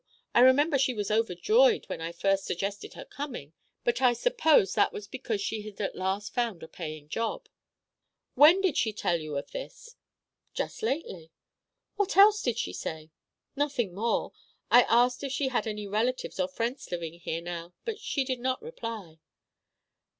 I remember she was overjoyed when I first suggested her coming, but I supposed that was because she had at last found a paying job." "When did she tell you of this?" "Just lately." "What else did she say?" "Nothing more. I asked if she had any relatives or friends living here now, but she did not reply."